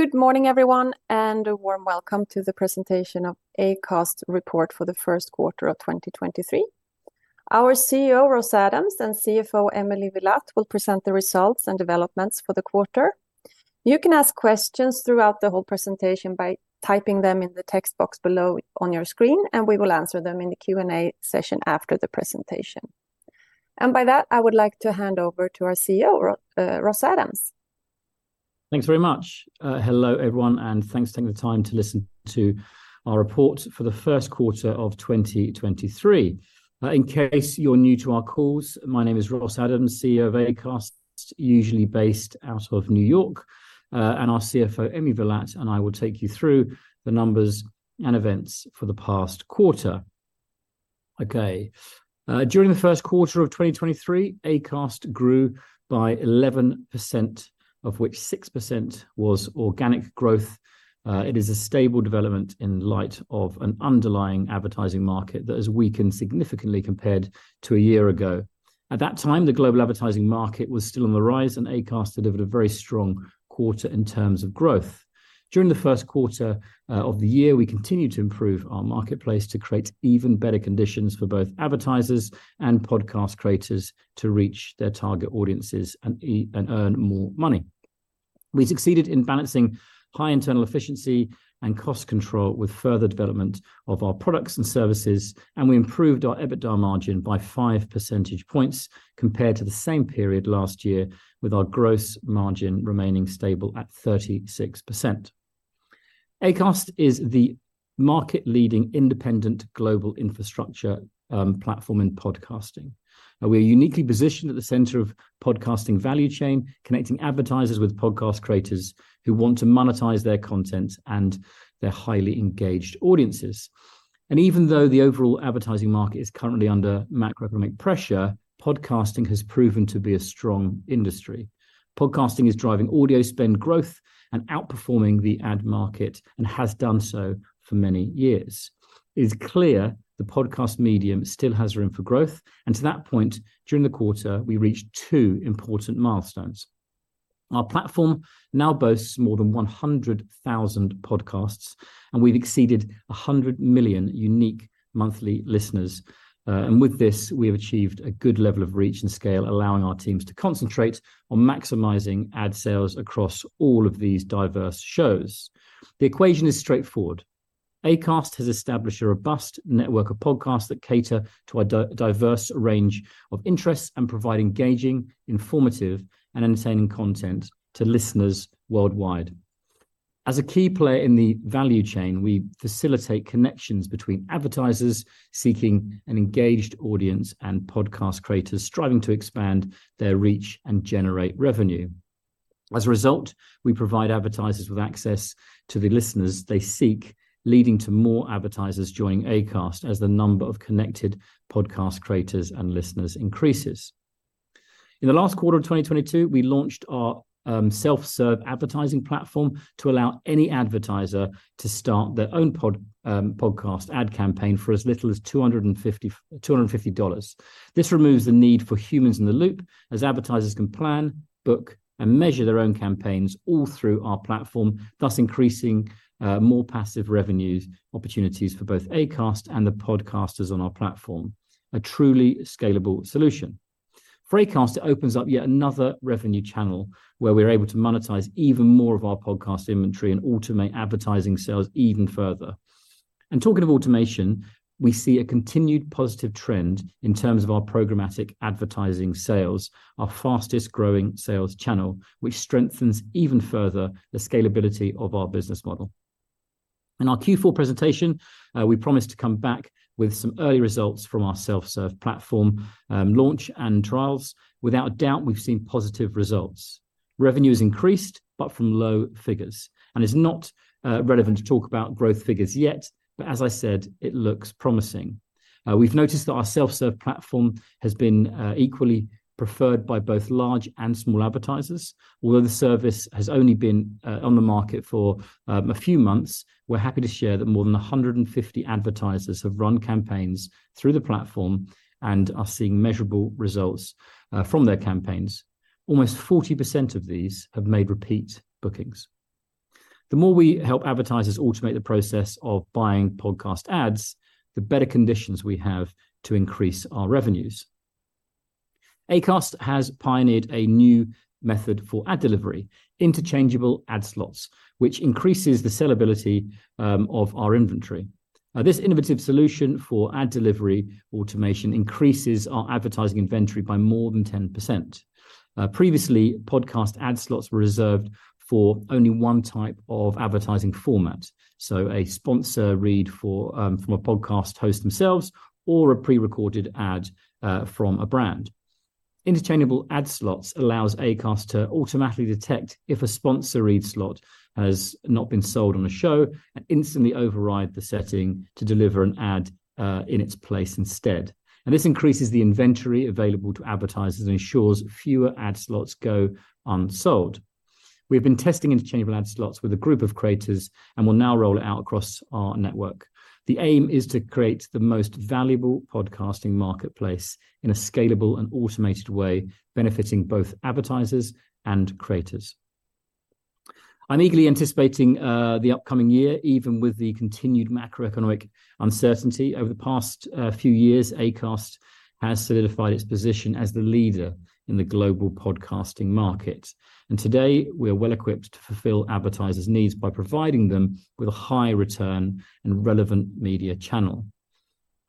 Good morning everyone. A warm welcome to the presentation of Acast report for the Q1 of 2023. Our CEO, Ross Adams, and CFO, Emily Villatte, will present the results and developments for the quarter. You can ask questions throughout the whole presentation by typing them in the text box below on your screen, and we will answer them in the Q&A session after the presentation. By that, I would like to hand over to our CEO, Ross Adams. Thanks very much. Hello everyone, and thanks for taking the time to listen to our report for the Q1 of 2023. In case you're new to our calls, my name is Ross Adams, CEO of Acast, usually based out of New York. Our CFO, Emily Villatte, and I will take you through the numbers and events for the past quarter. Okay. During the Q1 of 2023, Acast grew by 11%, of which 6% was organic growth. It is a stable development in light of an underlying advertising market that has weakened significantly compared to a year ago. At that time, the global advertising market was still on the rise, and Acast delivered a very strong quarter in terms of growth. During the Q1 of the year, we continued to improve our marketplace to create even better conditions for both advertisers and podcast creators to reach their target audiences and earn more money. We succeeded in balancing high internal efficiency and cost control with further development of our products and services, and we improved our EBITDA margin by 5 percentage points compared to the same period last year, with our gross margin remaining stable at 36%. Acast is the market-leading independent global infrastructure platform in podcasting. Now we're uniquely positioned at the center of podcasting value chain, connecting advertisers with podcast creators who want to monetize their content and their highly engaged audiences. Even though the overall advertising market is currently under macroeconomic pressure, podcasting has proven to be a strong industry. Podcasting is driving audio spend growth and outperforming the ad market, and has done so for many years. It is clear the podcast medium still has room for growth. To that point, during the quarter, we reached two important milestones. Our platform now boasts more than 100,000 podcasts, and we've exceeded 100 million unique monthly listeners. With this, we have achieved a good level of reach and scale, allowing our teams to concentrate on maximizing ad sales across all of these diverse shows. The equation is straightforward. Acast has established a robust network of podcasts that cater to a diverse range of interests and provide engaging, informative, and entertaining content to listeners worldwide. As a key player in the value chain, we facilitate connections between advertisers seeking an engaged audience and podcast creators striving to expand their reach and generate revenue. As a result, we provide advertisers with access to the listeners they seek, leading to more advertisers joining Acast as the number of connected podcast creators and listeners increases. In the last quarter of 2022, we launched our self-serve advertising platform to allow any advertiser to start their own podcast ad campaign for as little as $250. This removes the need for humans in the loop, as advertisers can plan, book, and measure their own campaigns all through our platform, thus increasing more passive revenues opportunities for both Acast and the podcasters on our platform. A truly scalable solution. For Acast, it opens up yet another revenue channel where we're able to monetize even more of our podcast inventory and automate advertising sales even further. Talking of automation, we see a continued positive trend in terms of our programmatic advertising sales, our fastest growing sales channel, which strengthens even further the scalability of our business model. In our Q4 presentation, we promised to come back with some early results from our self-serve platform launch and trials. Without a doubt, we've seen positive results. Revenue has increased, from low figures, and it's not relevant to talk about growth figures yet, but as I said, it looks promising. We've noticed that our self-serve platform has been equally preferred by both large and small advertisers. The service has only been on the market for a few months, we're happy to share that more than 150 advertisers have run campaigns through the platform and are seeing measurable results from their campaigns. Almost 40% of these have made repeat bookings. The more we help advertisers automate the process of buying podcast ads, the better conditions we have to increase our revenues. Acast has pioneered a new method for ad delivery, Interchangeable Ad Slots, which increases the sellability of our inventory. This innovative solution for ad delivery automation increases our advertising inventory by more than 10%. Previously, podcast ad slots were reserved for only one type of advertising format, so a sponsor read from a podcast host themselves or a pre-recorded ad from a brand. Interchangeable Ad Slots allows Acast to automatically detect if a sponsor read slot has not been sold on a show and instantly override the setting to deliver an ad in its place instead. This increases the inventory available to advertisers and ensures fewer ad slots go unsold. We've been testing Interchangeable Ad Slots with a group of creators and will now roll it out across our network. The aim is to create the most valuable podcasting marketplace in a scalable and automated way, benefiting both advertisers and creators. I'm eagerly anticipating the upcoming year, even with the continued macroeconomic uncertainty. Over the past few years, Acast has solidified its position as the leader in the global podcasting market, and today we are well-equipped to fulfill advertisers' needs by providing them with a high return and relevant media channel.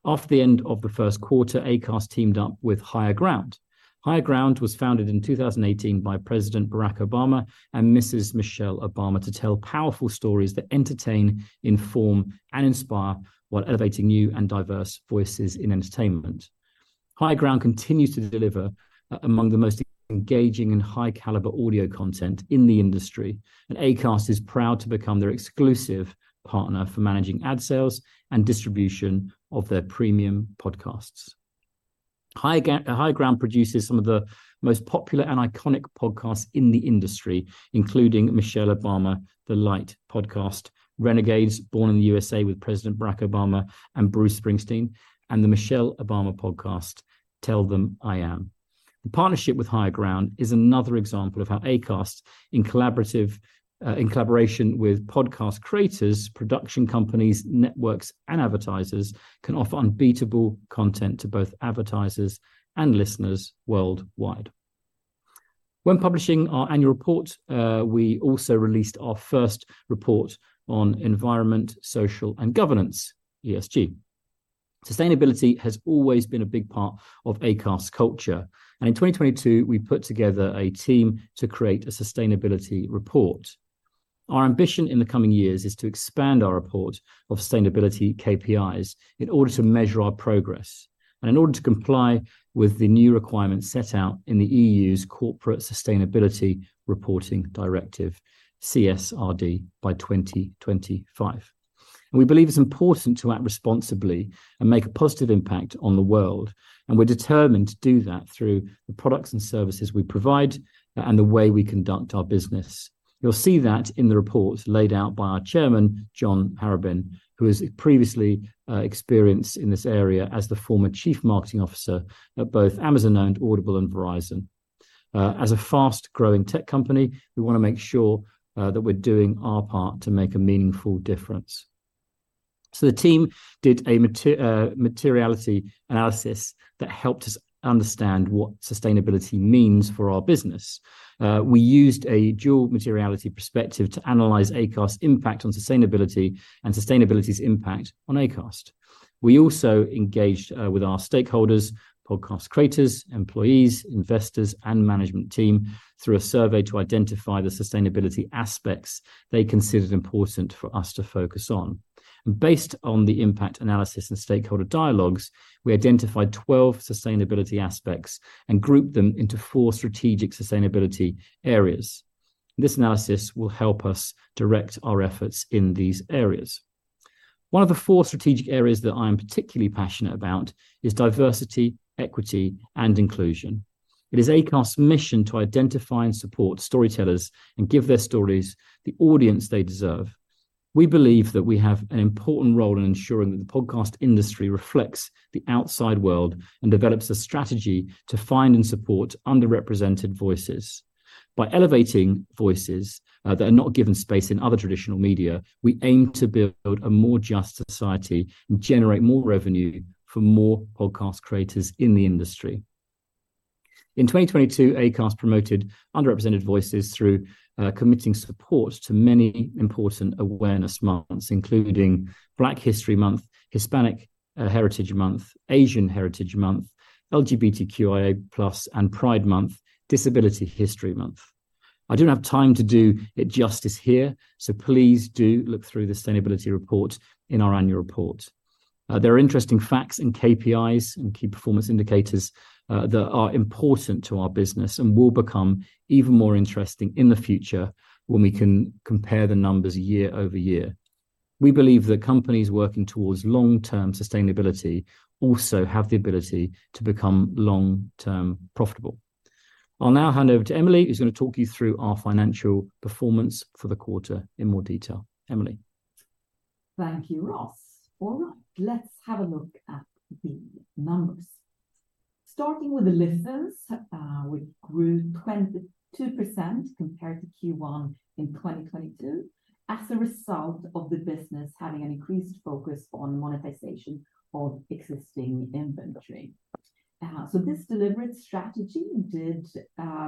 After the end of the Q1, Acast teamed up with Higher Ground. Higher Ground was founded in 2018 by President Barack Obama and Mrs. Michelle Obama to tell powerful stories that entertain, inform, and inspire while elevating new and diverse voices in entertainment. Higher Ground continues to deliver among the most engaging and high caliber audio content in the industry, and Acast is proud to become their exclusive partner for managing ad sales and distribution of their premium podcasts. Higher Ground produces some of the most popular and iconic podcasts in the industry, including Michelle Obama: The Light Podcast, Renegades: Born in the USA with President Barack Obama and Bruce Springsteen, and the Michelle Obama Podcast: Tell Them I Am. The partnership with Higher Ground is another example of how Acast in collaborative, in collaboration with podcast creators, production companies, networks, and advertisers can offer unbeatable content to both advertisers and listeners worldwide. When publishing our annual report, we also released our first report on environment, social and governance, ESG. Sustainability has always been a big part of Acast culture. In 2022 we put together a team to create a sustainability report. Our ambition in the coming years is to expand our report of sustainability KPIs in order to measure our progress and in order to comply with the new requirements set out in the EU's Corporate Sustainability Reporting Directive, CSRD, by 2025. We believe it's important to act responsibly and make a positive impact on the world, and we're determined to do that through the products and services we provide and the way we conduct our business. You'll see that in the report laid out by our Chairman, John Harrobin, who is previously experienced in this area as the former Chief Marketing Officer at both Amazon-owned Audible and Verizon. As a fast-growing tech company, we wanna make sure that we're doing our part to make a meaningful difference. So the team did a materiality analysis that helped us understand what sustainability means for our business. We used a double materiality perspective to analyze Acast impact on sustainability and sustainability's impact on Acast. We also engaged with our stakeholders, podcast creators, employees, investors, and management team through a survey to identify the sustainability aspects they considered important for us to focus on. Based on the impact analysis and stakeholder dialogues, we identified 12 sustainability aspects and grouped them into four strategic sustainability areas. This analysis will help us direct our efforts in these areas. One of the four strategic areas that I'm particularly passionate about is diversity, equity, and inclusion. It is Acast's mission to identify and support storytellers and give their stories the audience they deserve. We believe that we have an important role in ensuring that the podcast industry reflects the outside world and develops a strategy to find and support underrepresented voices. By elevating voices that are not given space in other traditional media, we aim to build a more just society and generate more revenue for more podcast creators in the industry. In 2022, Acast promoted underrepresented voices through committing support to many important awareness months, including Black History Month, Hispanic Heritage Month, Asian Heritage Month, LGBTQIA+ and Pride Month, Disability History Month. I don't have time to do it justice here, so please do look through the sustainability report in our annual report. There are interesting facts and KPIs and key performance indicators that are important to our business and will become even more interesting in the future when we can compare the numbers quarter-over-quarter. We believe that companies working towards long-term sustainability also have the ability to become long-term profitable. I'll now hand over to Emily, who's gonna talk you through our financial performance for the quarter in more detail. Emily? Thank you, Ross. All right. Let's have a look at the numbers. Starting with the listens, we grew 22% compared to Q1 2022 as a result of the business having an increased focus on monetization of existing inventory. So this deliberate strategy did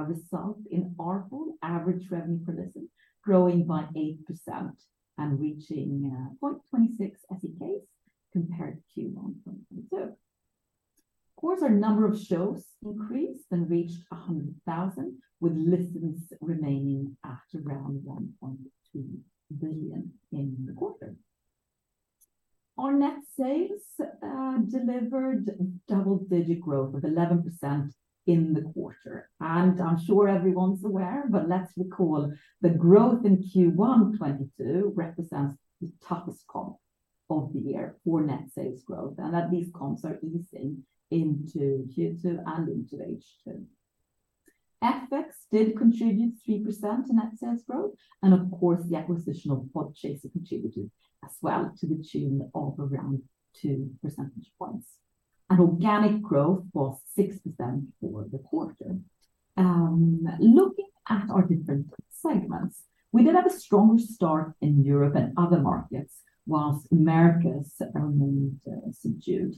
result in our full average revenue per listen growing by 8% and reaching 0.26 SEK compared to Q1 2022. Of course, our number of shows increased and reached 100,000, with listens remaining at around 1.2 billion in the quarter. Our net sales delivered double-digit growth of 11% in the quarter. I'm sure everyone's aware, but let's recall the growth in Q1 2022 represents the toughest comp of the year for net sales growth, and that these comps are easing into Q2 and into H2. FX did contribute 3% to net sales growth, and of course, the acquisition of Podchaser contributed as well to the tune of around 2 percentage points. Organic growth was 6% for the quarter. Looking at our different segments, we did have a stronger start in Europe and other markets whilst Americas remained subdued.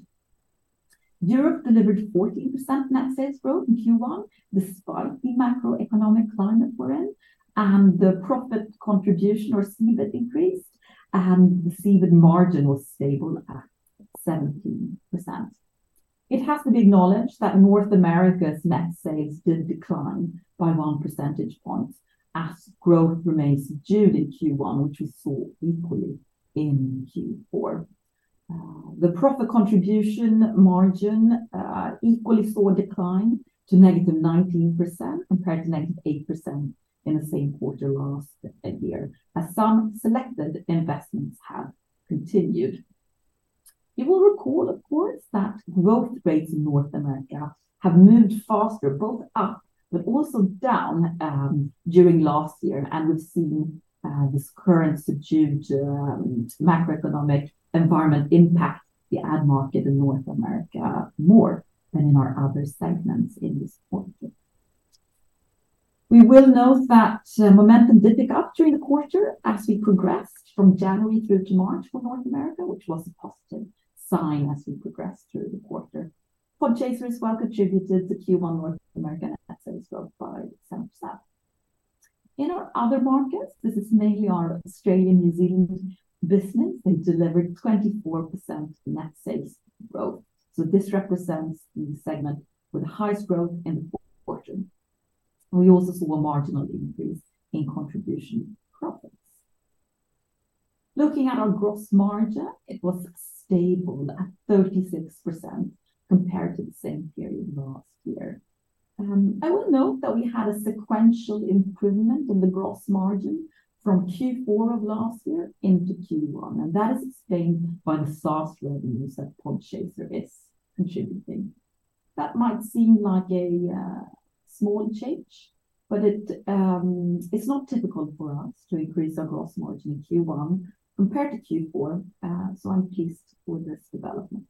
Europe delivered 14% net sales growth in Q1 despite the macroeconomic climate we're in, and the profit contribution or EBIT increased, and the EBIT margin was stable at 17%. It has to be acknowledged that North America's net sales did decline by one percentage point as growth remained subdued in Q1, which we saw equally in Q4. The profit contribution margin equally saw a decline to negative 19% compared to negative 8% in the same quarter last year as some selected investments have continued. You will recall, of course, that growth rates in North America have moved faster both up but also down during last year. We've seen this current subdued macroeconomic environment impact the ad market in North America more than in our other segments in this quarter. We will note that momentum did pick up during the quarter as we progressed from January through to March for North America, which was a positive sign as we progressed through the quarter. Podchaser as well contributed to Q1 North American net sales growth by 7%. In our other markets, this is mainly our Australian, New Zealand business, they delivered 24% net sales growth. This represents the segment with the highest growth in the full quarter. We also saw a marginal increase in contribution profits. Looking at our gross margin, it was stable at 36% compared to the same period last year. I will note that we had a sequential improvement in the gross margin from Q4 of last year into Q1, and that is explained by the SaaS revenues that Podchaser is contributing. That might seem like a small change, but it is not typical for us to increase our gross margin in Q1 compared to Q4, I'm pleased with this development.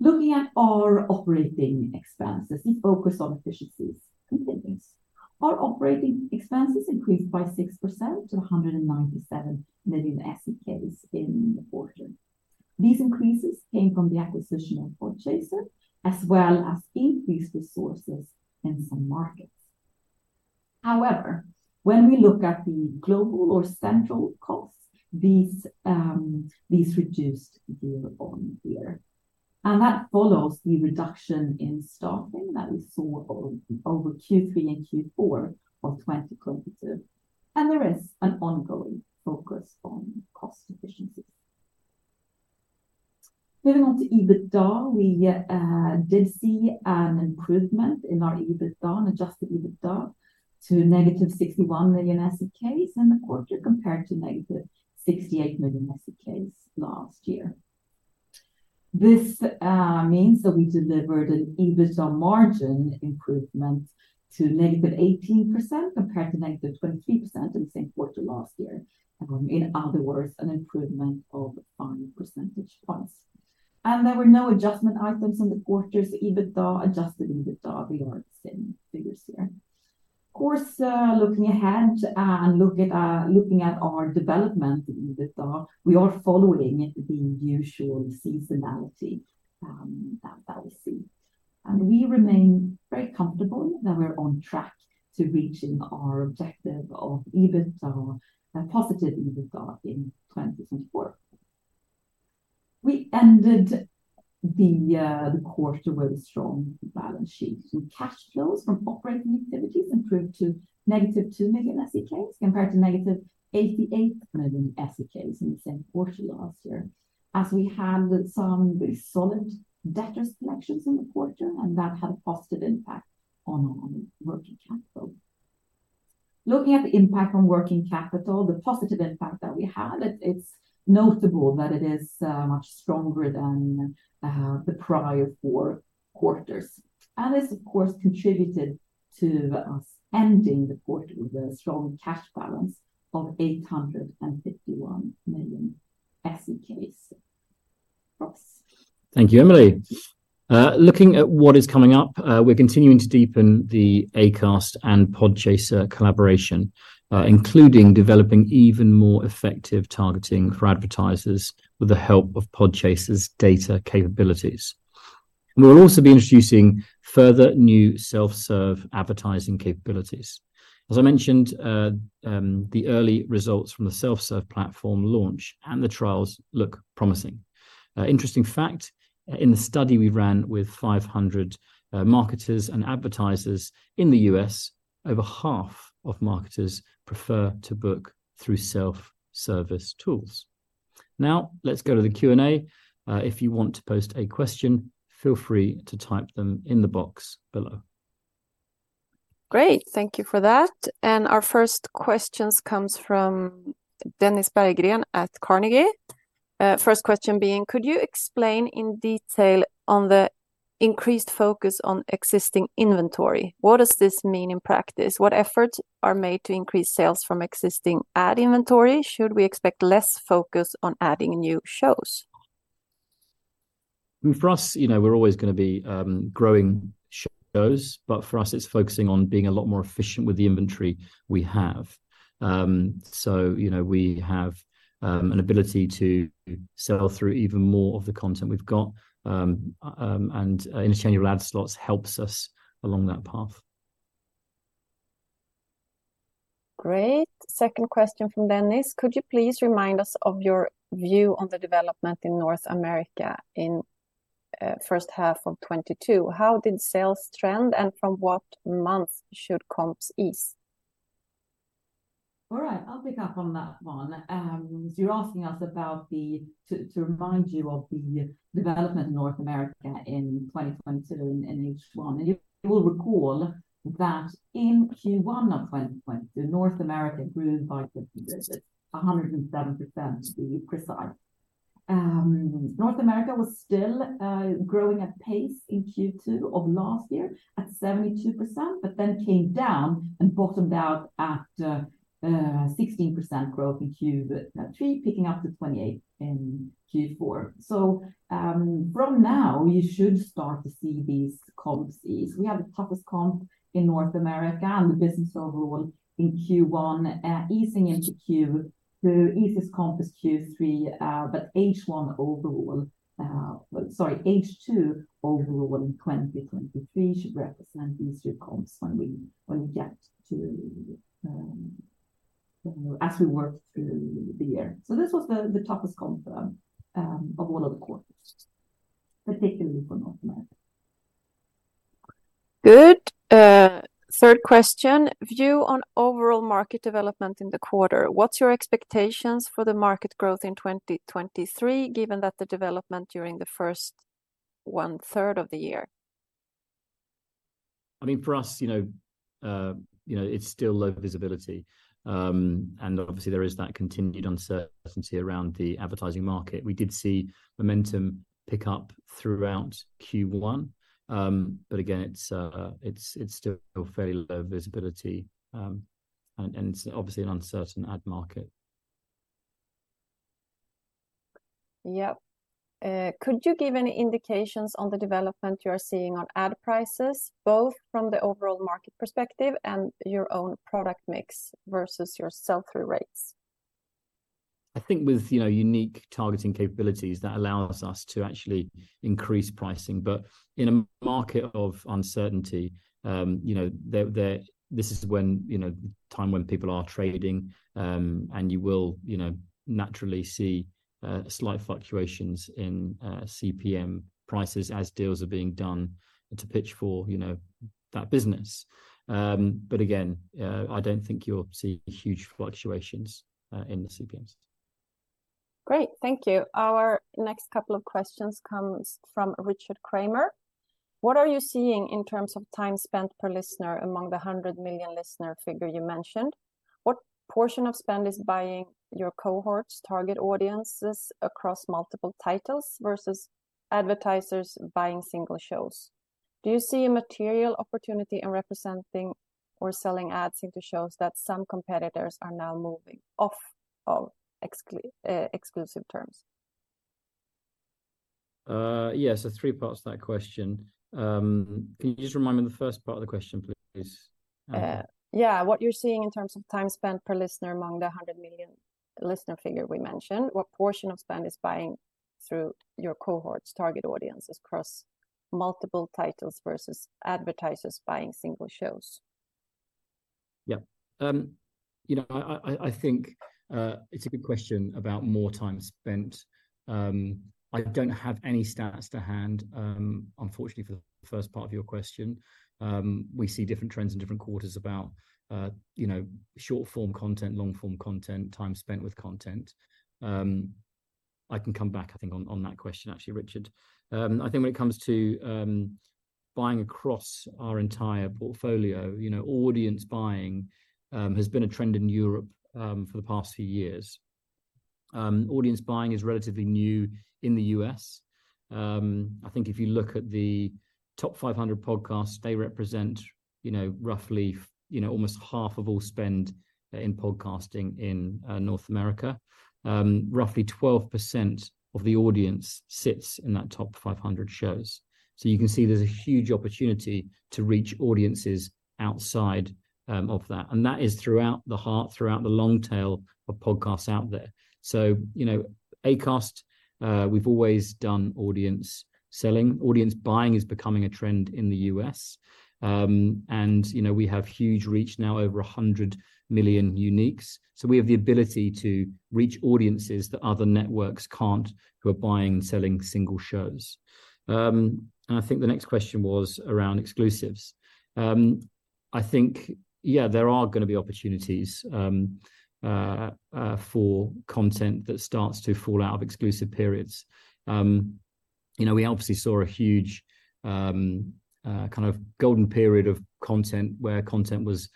Looking at our operating expenses, the focus on efficiencies continues. Our operating expenses increased by 6% to 197 million SEK in the quarter. These increases came from the acquisition of Podchaser as well as increased resources in some markets. When we look at the global or central costs, these reduced year-on-year. That follows the reduction in staffing that we saw over Q3 and Q4 of 2022. There is an ongoing focus on cost efficiencies. Moving on to EBITDA, we did see an improvement in our EBITDA and adjusted EBITDA to negative 61 million SEK in the quarter compared to negative 68 million SEK last year. This means that we delivered an EBITDA margin improvement to negative 18% compared to negative 23% in the same quarter last year. In other words, an improvement of five percentage points. There were no adjustment items in the quarter's EBITDA, adjusted EBITDA. We are at the same figures here. Of course, looking ahead, looking at our development in EBITDA, we are following the usual seasonality that we see. We remain very comfortable that we're on track to reaching our objective of EBITDA, a positive EBITDA in 2024. We ended the quarter with a strong balance sheet, and cash flows from operating activities improved to negative two million SEK compared to negative 88 million SEK in the same quarter last year as we handled some very solid debtors collections in the quarter, and that had a positive impact on our working capital. Looking at the impact on working capital, the positive impact that we had, it's notable that it is much stronger than the prior four quarters. This, of course, contributed to us ending the quarter with a strong cash balance of 851 million SEK. Ross. Thank you, Emelie. Looking at what is coming up, we're continuing to deepen the Acast and Podchaser collaboration, including developing even more effective targeting for advertisers with the help of Podchaser's data capabilities. We'll also be introducing further new self-serve advertising capabilities. As I mentioned, the early results from the self-serve platform launch and the trials look promising. Interesting fact, in the study we ran with 500 marketers and advertisers in the US, over half of marketers prefer to book through self-service tools. Now, let's go to the Q&A. If you want to post a question, feel free to type them in the box below. Great. Thank you for that. Our first questions comes from Dennis Berggren at Carnegie. First question being, could you explain in detail on the increased focus on existing inventory? What does this mean in practice? What efforts are made to increase sales from existing ad inventory? Should we expect less focus on adding new shows? For us, you know, we're always gonna be growing shows. For us it's focusing on being a lot more efficient with the inventory we have. You know, we have an ability to sell through even more of the content we've got, and Interchangeable Ad Slots helps us along that path. Great. Second question from Dennis. Could you please remind us of your view on the development in North America in the H1 of 2022? How did sales trend, and from what month should comps ease? All right, I'll pick up on that one. You're asking us about the development in North America in 2022 in H1. You will recall that in Q1 of 2020, North America grew by 107%, to be precise. North America was still growing at pace in Q2 of last year at 72%, but then came down and bottomed out at 16% growth in Q3, picking up to 28% in Q4. From now we should start to see these comps ease. We have the toughest comp in North America and the business overall in Q1, easing into Q... The easiest comp is Q3, but H1 overall, sorry, H2 overall in 2023 should represent easier comps when we get to, you know, as we work through the year. This was the toughest comp of all of the quarters, particularly for North America. Good. third question, view on overall market development in the quarter. What's your expectations for the market growth in 2023 given that the development during the first one-third of the year? I mean, for us, you know, it's still low visibility. Obviously there is that continued uncertainty around the advertising market. We did see momentum pick up throughout Q1, but again, it's still very low visibility. It's obviously an uncertain ad market. Yep. Could you give any indications on the development you're seeing on ad prices, both from the overall market perspective and your own product mix versus your sell-through rates? I think with, you know, unique targeting capabilities, that allows us to actually increase pricing. In a market of uncertainty, you know, this is when, you know, time when people are trading, and you will, you know, naturally see slight fluctuations in CPM prices as deals are being done to pitch for, you know, that business. Again, I don't think you'll see huge fluctuations in the CPMs. Great. Thank you. Our next couple of questions comes from Richard Kramer. What are you seeing in terms of time spent per listener among the 100 million listener figure you mentioned? What portion of spend is buying your cohorts, target audiences across multiple titles versus advertisers buying single shows? Do you see a material opportunity in representing or selling ads into shows that some competitors are now moving off of exclusive terms? Yeah, three parts to that question. Can you just remind me the first part of the question, please? What you're seeing in terms of time spent per listener among the 100 million listener figure we mentioned, what portion of spend is buying through your cohorts, target audiences across multiple titles versus advertisers buying single shows? Yeah. You know, I think it's a good question about more time spent. I don't have any stats to hand, unfortunately for the first part of your question. We see different trends in different quarters about, you know, short-form content, long-form content, time spent with content. I can come back, I think, on that question, actually, Richard. I think when it comes to buying across our entire portfolio, you know, audience buying has been a trend in Europe for the past few years. Audience buying is relatively new in the U.S. I think if you look at the top 500 podcasts, they represent, you know, roughly, you know, almost half of all spend in podcasting in North America. Roughly 12% of the audience sits in that top 500 shows. You can see there's a huge opportunity to reach audiences outside of that, and that is throughout the heart, throughout the long tail of podcasts out there. You know, Acast, we've always done audience selling. Audience buying is becoming a trend in the U.S. You know, we have huge reach now, over 100 million uniques. We have the ability to reach audiences that other networks can't, who are buying and selling single shows. I think the next question was around exclusives. I think, yeah, there are gonna be opportunities for content that starts to fall out of exclusive periods. You know, we obviously saw a huge, kind of golden period of content where content was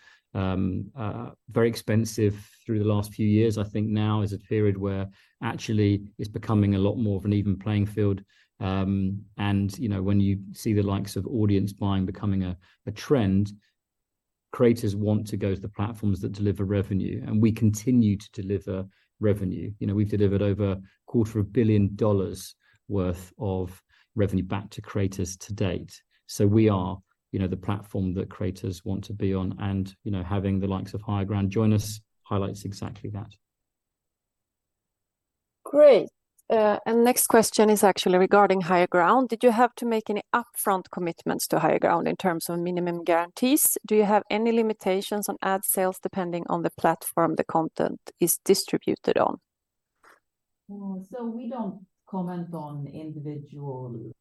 very expensive through the last few years. I think now is a period where actually it's becoming a lot more of an even playing field. You know, when you see the likes of audience buying becoming a trend. Creators want to go to the platforms that deliver revenue, and we continue to deliver revenue. You know, we've delivered over a quarter of billion dollars worth of revenue back to creators to date. We are, you know, the platform that creators want to be on. You know, having the likes of Higher Ground join us highlights exactly that. Great. Next question is actually regarding Higher Ground. Did you have to make any upfront commitments to Higher Ground in terms of minimum guarantees? Do you have any limitations on ad sales depending on the platform the content is distributed on? We don't comment on individual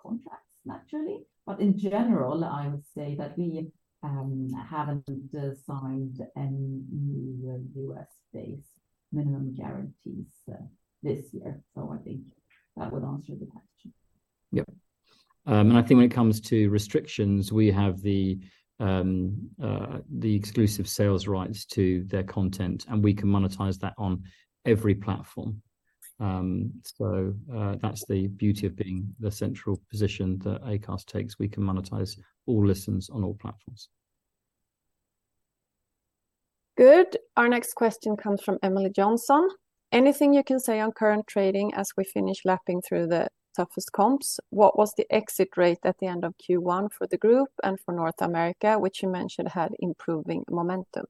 contracts naturally. In general, I would say that we haven't assigned any new U.S.-based minimum guarantees this year. I think that would answer the question. Yep. I think when it comes to restrictions, we have the exclusive sales rights to their content. We can monetize that on every platform. That's the beauty of being the central position that Acast takes. We can monetize all listens on all platforms. Good. Our next question comes from Emily Johnson. Anything you can say on current trading as we finish lapping through the toughest comps? What was the exit rate at the end of Q1 for the group and for North America, which you mentioned had improving momentum?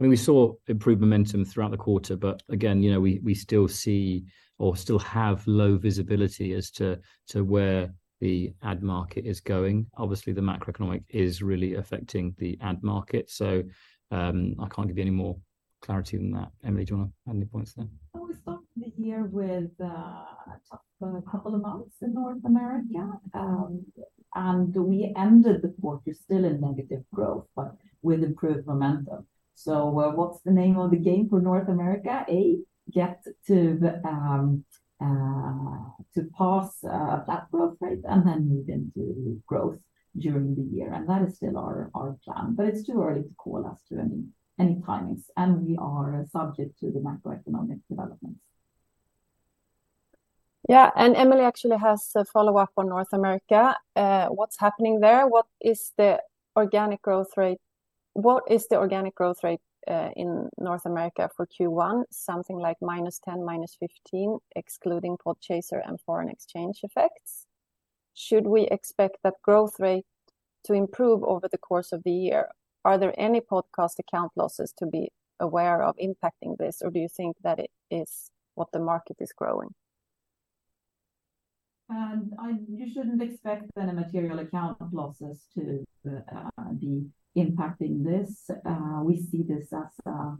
I mean, we saw improved momentum throughout the quarter, but again, you know, we still see or still have low visibility as to where the ad market is going. Obviously, the macroeconomic is really affecting the ad market, so I can't give you any more clarity than that. Emily, do you wanna add any points there? Well, we started the year with a tough couple of months in North America. We ended the quarter still in negative growth but with improved momentum. What's the name of the game for North America? A, get to pass flat growth rate and then move into growth during the year, and that is still our plan. It's too early to call as to any timings, and we are subject to the macroeconomic developments. Emily actually has a follow-up on North America. What's happening there? What is the organic growth rate in North America for Q1? Something like -10%, -15%, excluding Podchaser and foreign exchange effects. Should we expect that growth rate to improve over the course of the year? Are there any podcast account losses to be aware of impacting this, or do you think that it is what the market is growing? You shouldn't expect any material account losses to be impacting this. We see this as a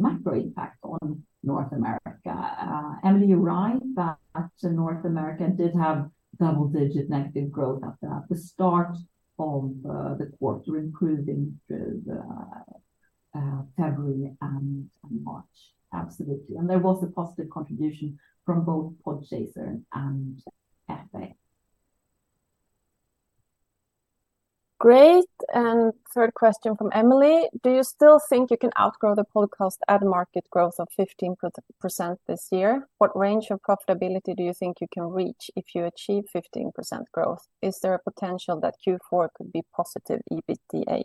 macro impact on North America. Emily, you're right that North America did have double-digit negative growth at the, at the start of the quarter, including February and March. Absolutely. There was a positive contribution from both Podchaser and Acast+. Great. Third question from Emily. Do you still think you can outgrow the podcast ad market growth of 15% this year? What range of profitability do you think you can reach if you achieve 15% growth? Is there a potential that Q4 could be positive EBITDA?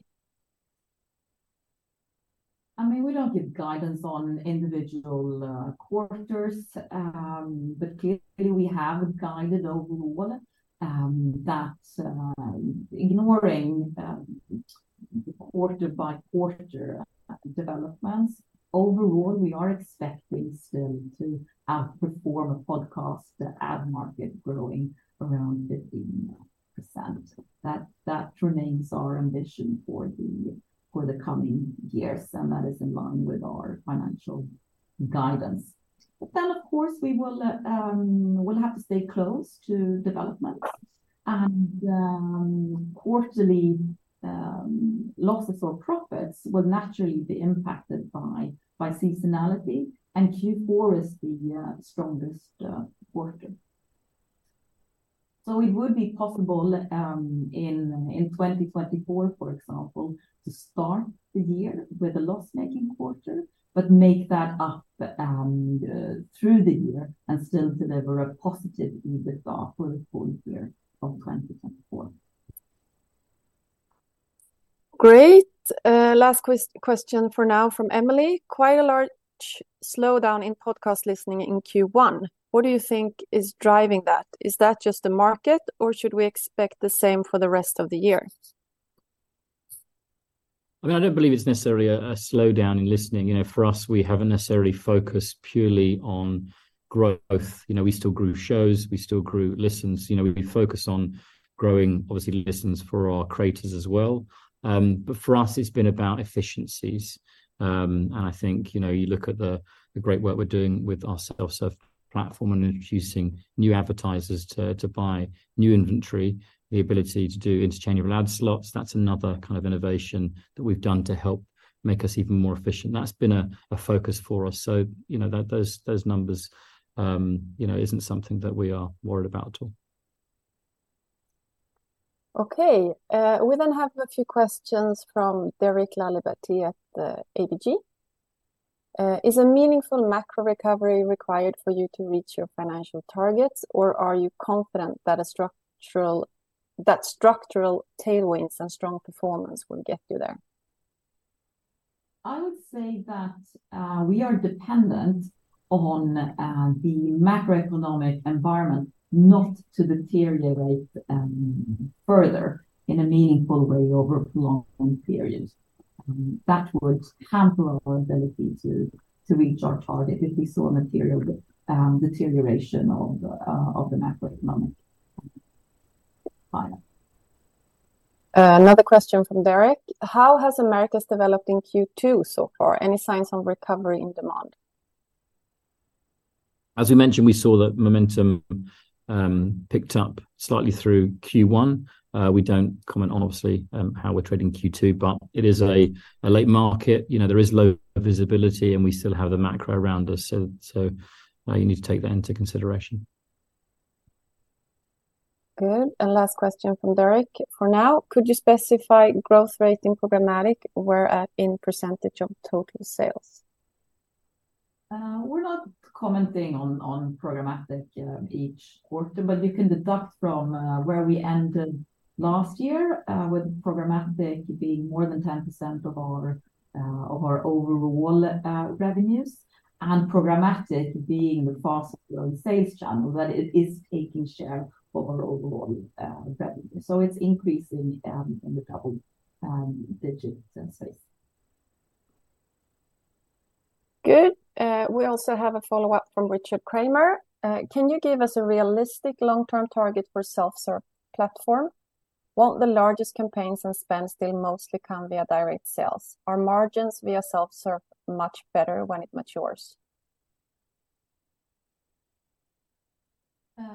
I mean, we don't give guidance on individual quarters. Clearly we have guided overall that ignoring quarter-by-quarter developments, overall, we are expecting still to outperform a podcast, the ad market growing around 15%. That remains our ambition for the coming years, and that is in line with our financial guidance. Then, of course, we will, we'll have to stay close to developments. Quarterly losses or profits will naturally be impacted by seasonality, and Q4 is the strongest quarter. It would be possible in 2024, for example, to start the year with a loss-making quarter but make that up through the year and still deliver a positive EBITDA for the full year of 2024. Great. Last question for now from Emily. Quite a large slowdown in podcast listening in Q1. What do you think is driving that? Is that just the market, or should we expect the same for the rest of the year? I mean, I don't believe it's necessarily a slowdown in listening. You know, for us, we haven't necessarily focused purely on growth. You know, we still grew shows, we still grew listens. You know, we focus on growing, obviously, listens for our creators as well. But for us, it's been about efficiencies. I think, you know, you look at the great work we're doing with our self-serve platform and introducing new advertisers to buy new inventory, the ability to do Interchangeable Ad Slots. That's another kind of innovation that we've done to help make us even more efficient. That's been a focus for us, you know, those numbers, you know, isn't something that we are worried about at all. We have a few questions from Derek Laliberté at the ABG. Is a meaningful macro recovery required for you to reach your financial targets, or are you confident that structural tailwinds and strong performance will get you there? I would say that we are dependent on the macroeconomic environment not to deteriorate further in a meaningful way over long periods. That would hamper our ability to reach our target if we saw a material deterioration of the macroeconomic climate. Another question from Derek: how has Americas developed in Q2 so far? Any signs of recovery in demand? As we mentioned, we saw that momentum picked up slightly through Q1. We don't comment on obviously how we're trading Q2, but it is a late market. You know, there is low visibility, and we still have the macro around us, so you need to take that into consideration. Good. Last question from Derek for now: could you specify growth rate in programmatic? We're at in % of total sales? We're not commenting on programmatic each quarter, but you can deduct from where we ended last year, with programmatic being more than 10% of our overall revenues, and programmatic being the fastest growing sales channel, that it is taking share of our overall revenue. It's increasing in the double digits senses. Good. We also have a follow-up from Richard Kramer. Can you give us a realistic long-term target for self-serve platform? Won't the largest campaigns and spends still mostly come via direct sales? Are margins via self-serve much better when it matures? I mean,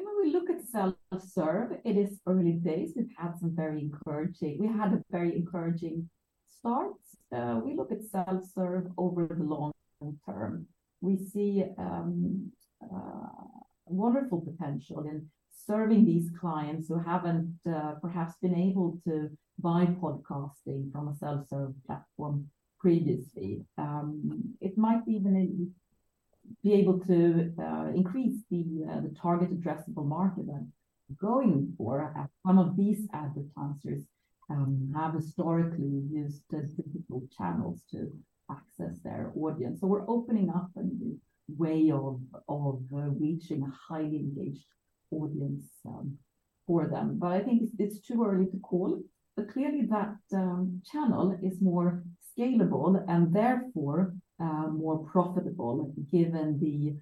when we look at self-serve, it is early days. It had some very encouraging start. We look at self-serve over the long term. We see wonderful potential in serving these clients who haven't perhaps been able to buy podcasting from a self-serve platform previously. It might even be able to increase the target addressable market that we're going for as some of these advertisers have historically used those difficult channels to access their audience. We're opening up a new way of reaching a highly engaged audience for them. I think it's too early to call. Clearly that channel is more scalable and therefore more profitable given the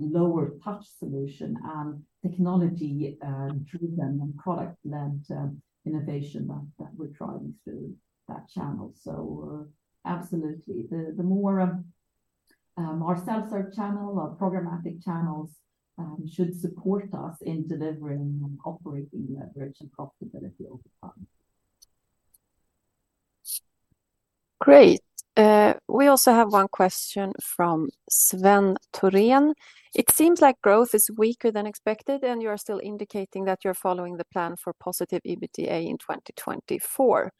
lower touch solution and technology driven and product-led innovation that we're driving through that channel. Absolutely. The more our self-serve channel, our programmatic channels should support us in delivering and operating leverage and profitability over time. Great. We also have one question from Sven Törnkvist. It seems like growth is weaker than expected, and you are still indicating that you're following the plan for positive EBITDA in 2024.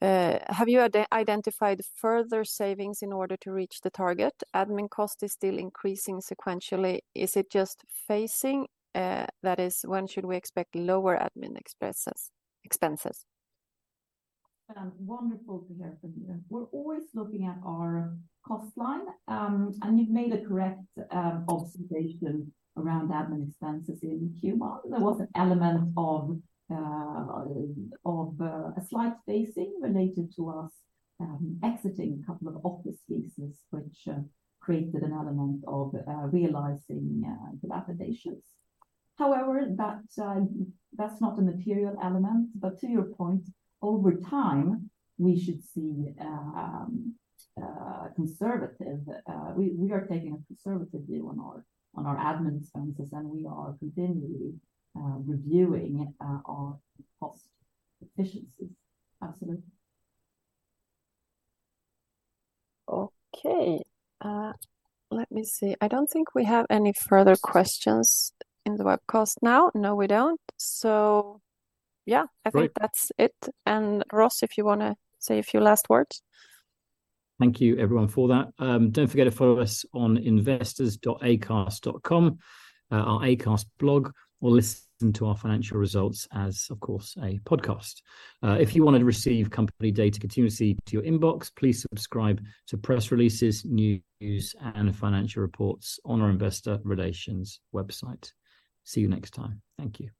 Have you identified further savings in order to reach the target? Admin cost is still increasing sequentially. Is it just phasing? That is, when should we expect lower admin expenses? Wonderful to hear from you. We're always looking at our cost line, and you've made a correct observation around admin expenses in Q1. There was an element of a slight phasing related to us exiting a couple of office leases, which created an element of realizing dilapidations. However, that's not a material element. To your point, over time, we should see conservative... We are taking a conservative view on our admin expenses, and we are continually reviewing our cost efficiencies. Absolutely. Okay. Let me see. I don't think we have any further questions in the webcast now. No, we don't. Yeah. Great. I think that's it. Ross, if you wanna say a few last words. Thank you everyone for that. Don't forget to follow us on investors.acast.com, our Acast blog, or listen to our financial results as, of course, a podcast. If you wanna receive company data continuously to your inbox, please subscribe to press releases, news, and financial reports on our investor relations website. See you next time. Thank you.